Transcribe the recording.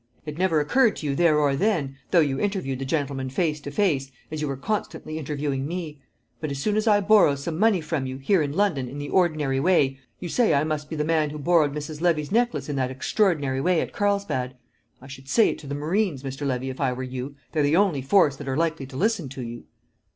It never occurred to you there or then, though you interviewed the gentleman face to face, as you were constantly interviewing me. But as soon as I borrow some money from you, here in London in the ordinary way, you say I must be the man who borrowed Mrs. Levy's necklace in that extraordinary way at Carlsbad! I should say it to the marines, Mr. Levy, if I were you; they're the only force that are likely to listen to you."